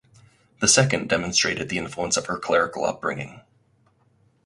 The second demonstrated the influence of her clerical upbringing.